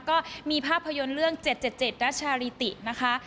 ก็มีภาพยนตร์เรื่อง๗๗รัชชาลีตินะคะ